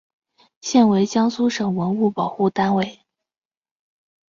现为江苏省文物保护单位。